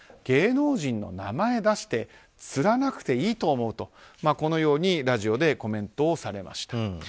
芸能人の名前を出して釣らなくていいと思うとこのようにラジオでコメントをされました。